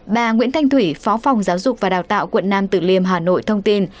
bà nguyễn thanh thủy phó phòng giáo dục và đào tạo quận nam tử liêm hà nội thông tin